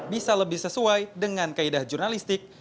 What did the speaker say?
bisa lebih sesuai dengan kaedah jurnalistik